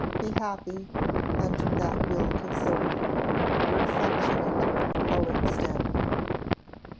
Be happy, and that will console "Your affectionate HELEN STANLEY."